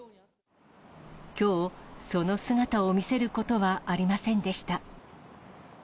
きょう、その姿を見せることはありませんでした。